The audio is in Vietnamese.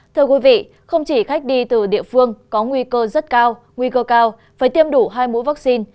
thưa quý vị không chỉ khách đi từ địa phương có nguy cơ rất cao nguy cơ cao phải tiêm đủ hai mũ vaccine